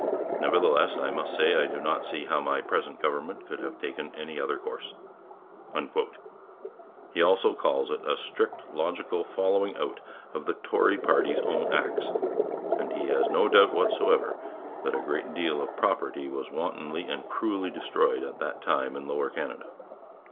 Nevertheless I must say I do not see how my present government could have taken any other course.' He also calls it 'a strict logical following out' of the Tory party's own acts; and he has 'no doubt whatsoever that a great deal of property was wantonly and cruelly destroyed at that time in Lower Canada.'